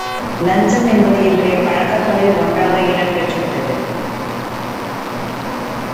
இலஞ்சம் என்பது இன்றைய பழக்கங்களில் ஒன்றாக இடம் பெற்றுவிட்டது.